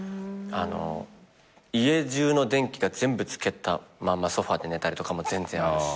家中の電気が全部つけたまんまソファで寝たりとかも全然あるし。